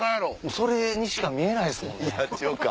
それにしか見えないっすもんね。